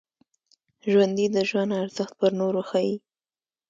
ژوندي د ژوند ارزښت پر نورو ښيي